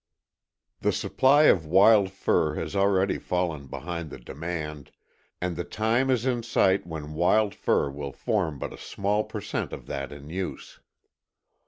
The supply of wild fur has already fallen behind the demand and the time is in sight when wild fur will form but a small per cent of that in use.